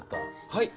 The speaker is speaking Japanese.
はい。